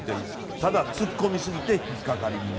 ただ、突っ込みすぎて引っ掛かり気味。